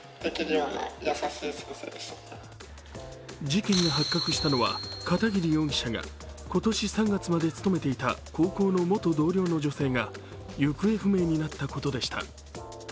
事件が発覚したのは片桐容疑者が今年３月まで勤めていた高校の元同僚の女性が行方不明になったことでした。